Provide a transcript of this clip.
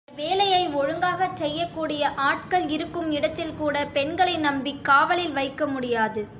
தங்களுடைய வேலையை ஒழுங்காகச் செய்யக்கூடிய ஆட்கள் இருக்கும் இடத்தில் கூட, பெண்களை நம்பிக் காவலில் வைக்க முடியாது.